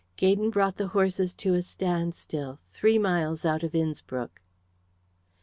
Gaydon brought the horses to a standstill three miles out of Innspruck.